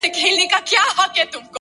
نه پنډت ووهلم ـ نه راهب فتواء ورکړه خو ـ